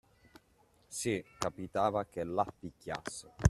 Sì, capitava che la picchiassi.